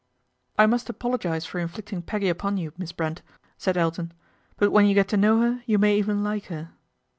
' I must apologise for inflicting Peggy upon you, Miss Brent," said Elton ;" but when you get to know her you may even like her."